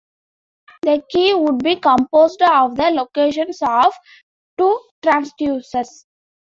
The key would be composed of the locations of two transducers.